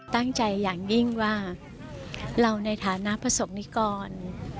ตั้งใจอย่างยิ่งว่าเราในฐานะประสุกรณิกร